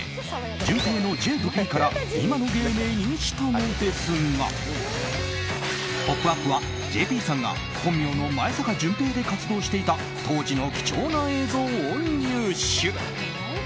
淳平のＪとＰから今の芸名にしたのですが「ポップＵＰ！」はＪＰさんが本名の前坂淳平で活動していた当時の貴重な映像を入手。